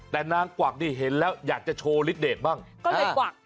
แต่นางกวักนี่เห็นแล้วอยากจะโชว์ลิสเดทบ้างก็เลยกวัก